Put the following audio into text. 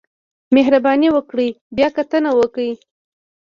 مهرباني وکړئ بیاکتنه وکړئ